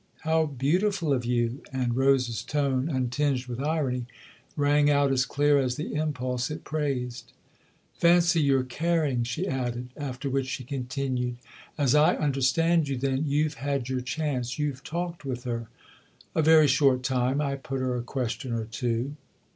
" How beautiful of you !" and Rose's tone, un tinged with irony, rang out as clear as the impulse it praised. " Fancy your caring !" she added ; after which she continued: "As I understand you, then, you've had your chance, you've talked with her ?" "A very short time. I put her a question or two."